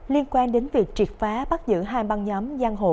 liên quan đến việc triệt phá bắt giữ hai băng nhóm giang hồ cộm cán